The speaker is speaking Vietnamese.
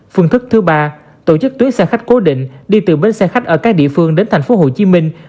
phương thức thứ ba tổ chức tuyến xe khách cố định đi từ bến xe khách ở các địa phương đến thành phố hồ chí minh